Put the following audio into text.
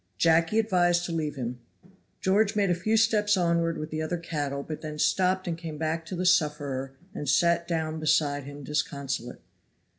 Jacky advised to leave him. George made a few steps onward with the other cattle, but then he stopped and came back to the sufferer and sat down beside him disconsolate.